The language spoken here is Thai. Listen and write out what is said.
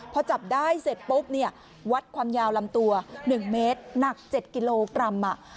พอจับได้เสร็จปุ๊บเนี่ยวัดความยาวลำตัว๑เมตรหนัก๗กิโลกรัม